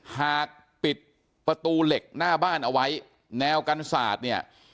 หากปิดประตูเหล็กหน้าบ้านเอาไว้แนวกันศาสตร์เนี่ย